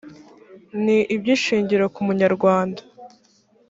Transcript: ni iby’ishingiro ku munyarwanda